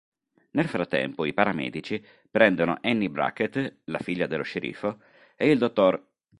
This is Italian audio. Nel frattempo i paramedici prendono Annie Brackett, la figlia dello sceriffo, e il dott.